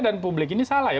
dan publik ini salah ya